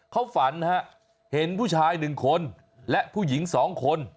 เขาฝันนะฮะเห็นผู้ชายหนึ่งคนและผู้หญิงสองคน